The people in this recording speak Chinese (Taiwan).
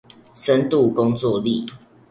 深度工作力